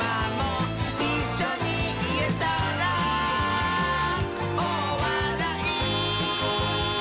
「いっしょにいえたら」「おおわらい」